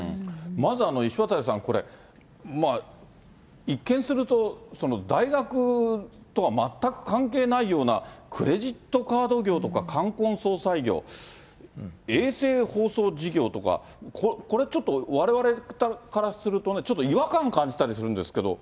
まず、石渡さん、これ、一見すると大学とは全く関係ないような、クレジットカード業とか冠婚葬祭業、衛星放送事業とか、これ、ちょっとわれわれからするとね、ちょっと違和感感じたりするんですけど。